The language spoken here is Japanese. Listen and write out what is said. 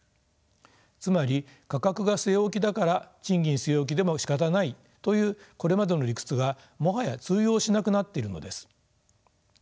つまり価格が据え置きだから賃金据え置きでもしかたないというこれまでの理屈がもはや通用しなくなっているのです。